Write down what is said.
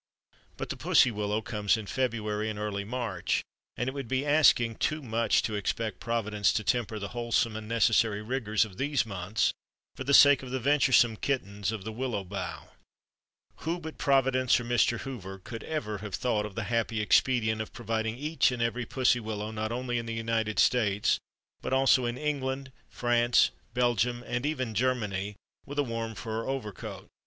But the Pussy Willow comes in February and early March and it would be asking too much to expect Providence to temper the wholesome and necessary rigors of these months for the sake of the venturesome kittens of the Willow bough. Who but Providence (or Mr. Hoover) could ever have thought of the happy expedient of providing each and every Pussy Willow, not only in the United States but also in England, France, Belgium and even Germany, with a warm fur overcoat!